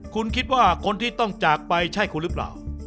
คุณคิดว่าคนที่ต้องจากไปใช่คุณหรือเปล่า